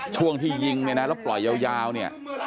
ช่วงที่ยิงเนี่ยนะแล้วปล่อยยาวเนี่ย